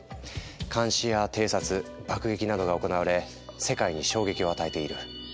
監視や偵察爆撃などが行われ世界に衝撃を与えている。